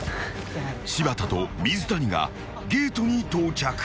［柴田と水谷がゲートに到着］